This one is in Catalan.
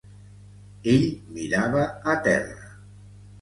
Ell mirava a terra.